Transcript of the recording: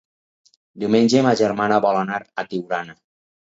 Diumenge ma germana vol anar a Tiurana.